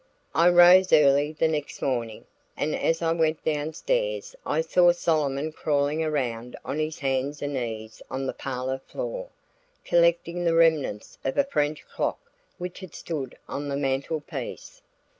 I rose early the next morning, and as I went down stairs I saw Solomon crawling around on his hands and knees on the parlor floor, collecting the remnants of a French clock which had stood on the mantelpiece.